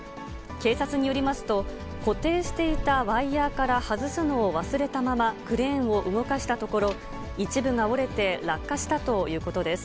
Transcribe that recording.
警察によりますと、固定していたワイヤーから外すのを忘れたまま、クレーンを動かしたところ、一部が折れて、落下したということです。